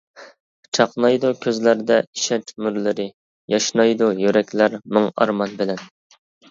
چاقنايدۇ كۆزلەردە ئىشەنچ نۇرلىرى، ياشنايدۇ يۈرەكلەر مىڭ ئارمان بىلەن.